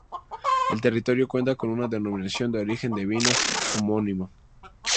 El territorio cuenta con una denominación de origen de vinos homónima.